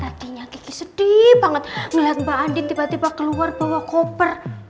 tadinya kiki sedih banget ngeliat mbak andi tiba tiba keluar bawa koper